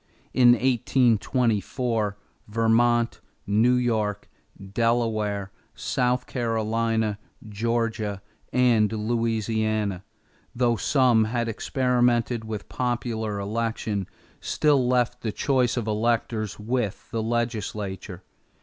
In 1824, Vermont, New York, Delaware, South Carolina, Georgia, and Louisiana, though some had experimented with popular election, still left the choice of electors with the legislature.